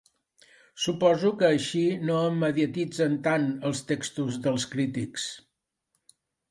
Suposo que així no em mediatitzen tant, els textos dels crítics.